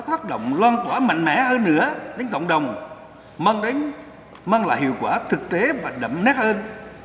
tác động loan tỏa mạnh mẽ hơn nữa đến cộng đồng mang lại hiệu quả thực tế và đậm nét hơn